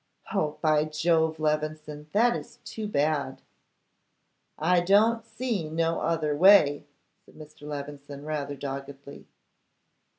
'Oh, by Jove, Levison, that is too bad.' 'I don't see no other way,' said Mr. Levison, rather doggedly.